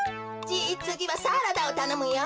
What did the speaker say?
じいつぎはサラダをたのむよ。